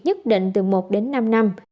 nhất định từ một năm năm